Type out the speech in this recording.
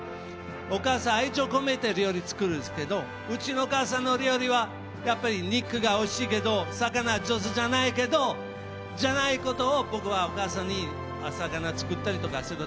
お母さん、愛情込めて料理作るんですけどうちのお母さんの料理はやっぱり肉がおいしいけど魚上手じゃないけど上手じゃないからお母さんに魚作ったりとか。